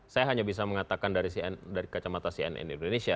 saya hanya bisa mengatakan dari kacamata cnn indonesia